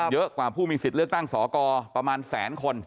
เยอะกว่าผู้มีสิทธิ์เลือกตั้งสอกรประมาณแสนคน